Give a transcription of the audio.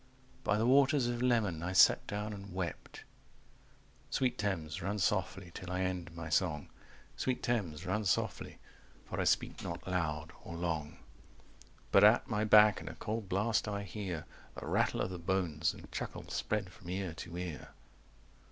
By the waters of Leman I sat down and wept ... Sweet Thames, run softly till I end my song, Sweet Thames, run softly, for I speak not loud or long. But at my back in a cold blast I hear The rattle of the bones, and chuckle spread from ear to ear.